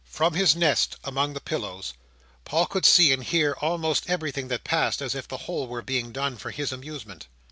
From his nest among the pillows, Paul could see and hear almost everything that passed as if the whole were being done for his amusement.